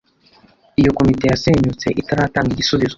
iyo komite yasenyutse itaratanga igisubizo.